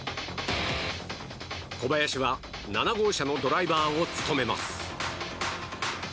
小林は７号車のドライバーを務めます。